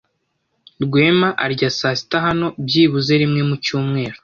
Rwema arya saa sita hano byibuze rimwe mu cyumweru.